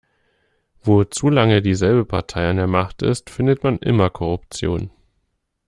Wo zu lange dieselbe Partei an der Macht ist, findet man immer Korruption.